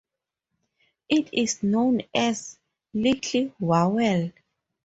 It is known as "little Wawel".